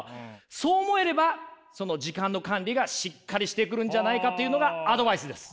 そう思えればその時間の管理がしっかりしてくるんじゃないかというのがアドバイスです。